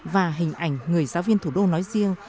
và hình ảnh người giáo viên thủ đô nói riêng